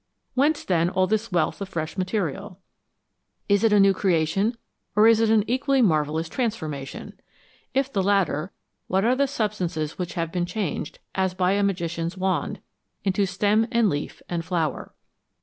Whence, then, all this wealth of fresh material ? Is it a new creation, or is it an equally marvellous transformation ? If the latter, what are the substances which have been changed, as by a magician's wand, into stem and leaf and flower